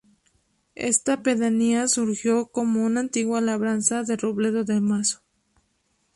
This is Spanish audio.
Esta pedanía surgió como una antigua labranza de Robledo del Mazo.